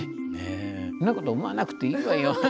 そんなこと思わなくていいわよ。